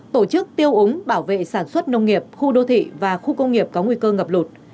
tổ chức tiêu ống bảo vệ sản xuất nông nghiệp khu đô thị và khu công nghiệp có nguy cơ ngập lụt